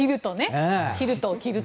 キルトを着ると。